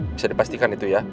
bisa dipastikan itu ya